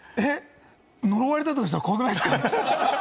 呪われたりしたら怖くないですか？